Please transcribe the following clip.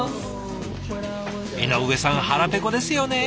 井上さん腹ペコですよね。